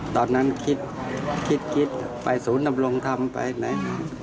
ตอนนั้นคิดคิดไปศูนย์ดำรงธรรมไปไหน